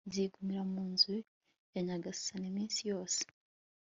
nzigumira mu nzu ya nyagasani iminsi yose